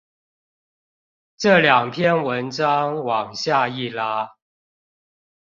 這兩篇文章往下一拉